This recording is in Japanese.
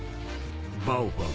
バオファン。